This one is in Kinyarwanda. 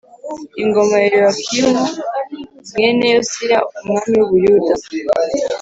ingoma ya Yehoyakimu mwene Yosiya umwami w u buyuda